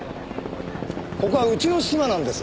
ここはうちのシマなんです。